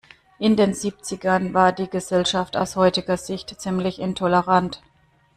In den Siebzigern war die Gesellschaft aus heutiger Sicht ziemlich intolerant.